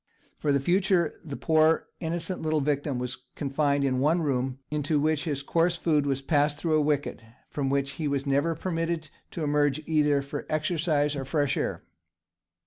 For the future the poor innocent little victim was confined in one room, into which his coarse food was passed through a wicket, and from which he was never permitted to emerge either for exercise or fresh air.